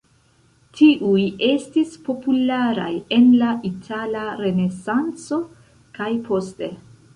Tiuj estis popularaj en la Itala Renesanco kaj poste.